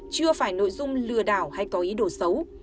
chưa phải nội dung lừa đảo hay có ý đồ xấu